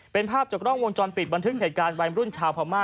เป็นภาพจากกล้องวงจรปิดบันทึกเหตุการณ์วัยมรุ่นชาวพม่า